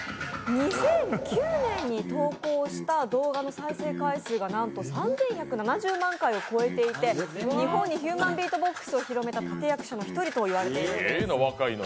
２００９年に投稿した動画の再生回数がなんと３１７０万回を超えていて日本にヒューマンビートボックスを広めた立役者の一人といわれているんです。